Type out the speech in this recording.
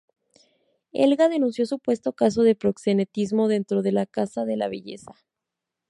Helga denunció supuesto caso de proxenetismo dentro de la casa de la belleza.